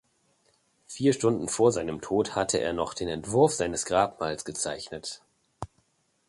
Vier Stunden vor seinem Tod hatte er noch den Entwurf seines Grabmals gezeichnet.